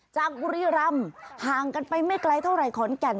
บุรีรำห่างกันไปไม่ไกลเท่าไหร่ขอนแก่น